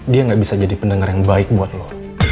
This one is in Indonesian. dia gak bisa jadi pendengar yang baik buat lo